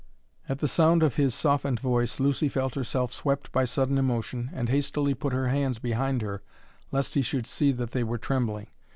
At the sound of his softened voice Lucy felt herself swept by sudden emotion, and hastily put her hands behind her lest he should see that they were trembling.